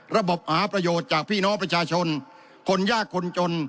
ระบบหาประโยชน์จากพี่น้องประชาชนคนยากคนจน